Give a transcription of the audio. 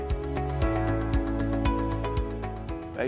pembangunan pemerintah daerah